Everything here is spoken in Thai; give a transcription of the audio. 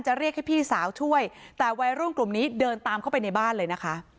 เรียกให้พี่สาวช่วยแต่วัยรุ่นกลุ่มนี้เดินตามเข้าไปในบ้านเลยนะคะ